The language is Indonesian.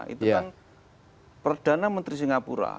itu kan perdana menteri singapura